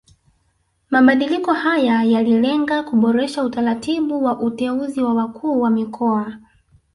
Mabadiliko haya yalilenga kuboresha utaratibu wa uteuzi wa wakuu wa mikoa